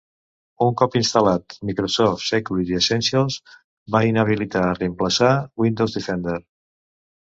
Un cop instal·lat, Microsoft Security Essentials va inhabilitar i reemplaçar Windows Defender.